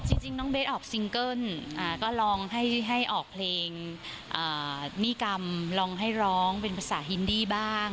จริงน้องเบสออกซิงเกิ้ลก็ลองให้ออกเพลงนิกรรมลองให้ร้องเป็นภาษาฮินดี้บ้าง